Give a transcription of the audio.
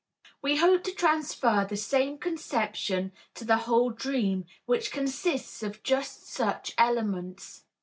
We hope to transfer the same conception to the whole dream, which consists of just such elements.